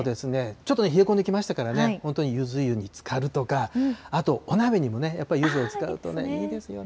ちょっと冷え込んできましたからね、本島にゆず湯につかるとか、あと、お鍋にもね、やっぱりゆずを使うといいですよね。